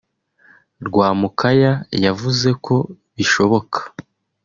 Rwamukaya yavuze ko bishoboka